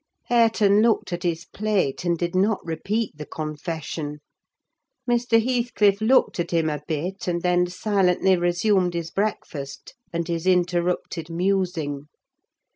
Hareton looked at his plate, and did not repeat the confession. Mr. Heathcliff looked at him a bit, and then silently resumed his breakfast and his interrupted musing.